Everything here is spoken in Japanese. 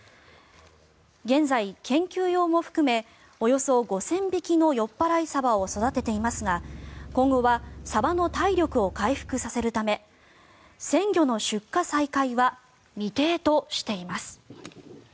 現在、研究用も含めおよそ５０００匹のよっぱらいサバを育てていますが今後はサバの体力を回復させるため鮮魚の出荷再開は未定としています。